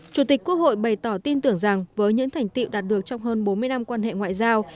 chủ tịch quốc hội bày tỏ tin tưởng rằng với những thành tiệu đạt được trong hơn bốn mươi năm quan hệ ngoại giao